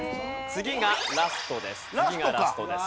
次がラストです。